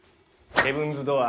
ヘブンズ・ドアー。